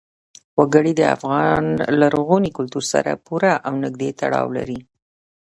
وګړي د افغان لرغوني کلتور سره پوره او نږدې تړاو لري.